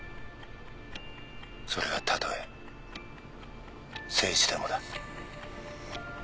それがたとえ誠司でもだ。